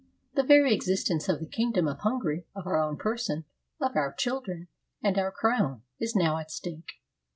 The very existence of the kingdom of Hungary, of our own person, of our children and our crown, is now at stake.